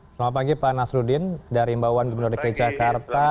selamat pagi pak nasruddin dari imbawan bimberdekai jakarta